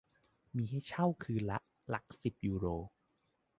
มีให้เช่าคืนละ "หลักสิบยูโร"